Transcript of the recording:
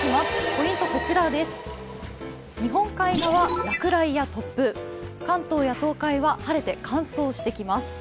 ポイントは日本海側落雷や突風、関東や東海は晴れて乾燥してきます。